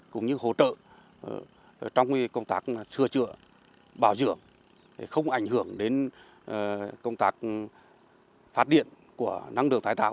cũng như hỗ trợ trong công tác sửa chữa bảo dưỡng không ảnh hưởng đến công tác phát điện của năng lượng tái tạo